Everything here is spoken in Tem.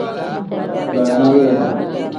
Baana yeenaa.